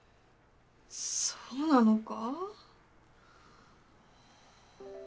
そうなのか？